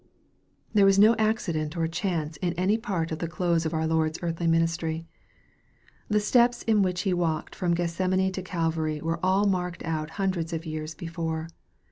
There was no accident or chance in any part of the close of our Lord's earthly ministry. The steps in which He walked from Gethsemane to Calvary were all marked out hundreds of years before.